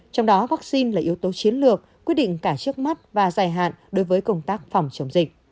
trong đó vaccine là yếu tố chiến lược quyết định cả trước mắt và dài hạn đối với công tác phòng chống dịch